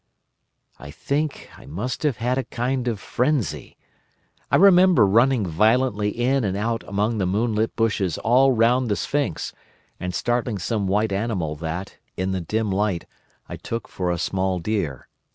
"I think I must have had a kind of frenzy. I remember running violently in and out among the moonlit bushes all round the sphinx, and startling some white animal that, in the dim light, I took for a small deer.